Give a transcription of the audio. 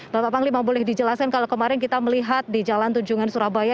bapak panglima boleh dijelaskan kalau kemarin kita melihat di jalan tunjungan surabaya